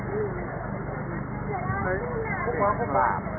สวัสดีครับ